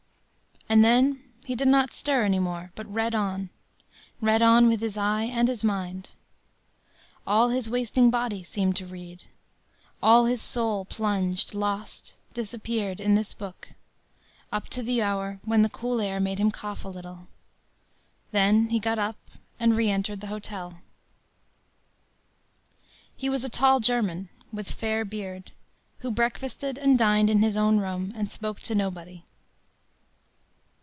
And then he did not stir any more, but read on, read on with his eye and his mind; all his wasting body seemed to read, all his soul plunged, lost, disappeared, in this book, up to the hour when the cool air made him cough a little. Then, he got up and reentered the hotel. He was a tall German, with fair beard, who breakfasted and dined in his own room, and spoke to nobody.